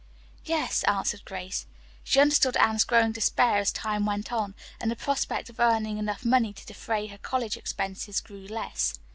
"Yes," answered Grace. She understood Anne's growing despair as time went on, and the prospect of earning enough money to defray her college expenses grew less.